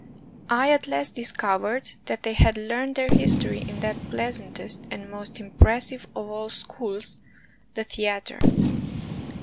I at last discovered that they had learned their history in that pleasantest and most impressive of all schools, the theater.